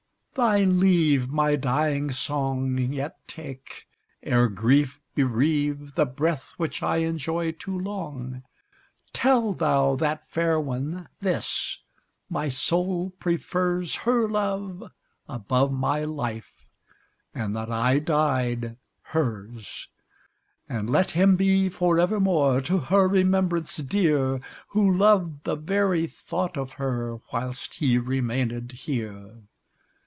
Thy leave, My dying song, Yet take, ere grief bereave The breath which I enjoy too long, Tell thou that fair one this: my soul prefers Her love above my life; and that I died her's: And let him be, for evermore, to her remembrance dear, Who loved the very thought of her whilst he remained here.